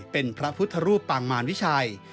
เป็นพระพุทธรูปปางมารวิชัย